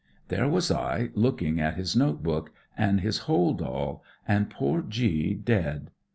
" There was I, looking at his note book and his hold all, and poor G dead.